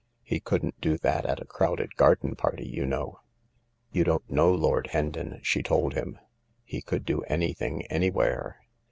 He couldn't do that at a crowded garden party, you know." " You don't know Lord Hendon," she told him ■" he could do anything anywhere.